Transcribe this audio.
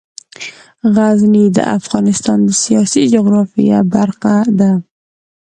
غزني د افغانستان د سیاسي جغرافیه برخه ده.